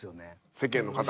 世間の方は。